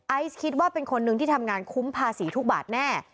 คิดว่าเป็นคนนึงที่ทำงานคุ้มภาษีทุกบาทแน่